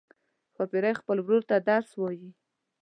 ښاپیرۍ خپل ورور ته درس وايي.